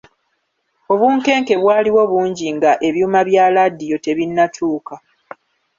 Obunkenke bwaliwo bungi nga ebyuma bya laadiyo tebinnatuuka.